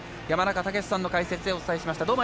山中武司さんの解説でお伝えしました。